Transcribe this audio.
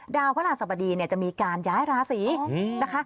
ดาวพระหลาสับดีเนี่ยจะมีการย้ายราศรีนะคะ